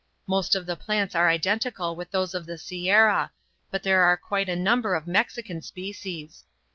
Most of the plants are identical with those of the Sierra, but there are quite a number of Mexican species.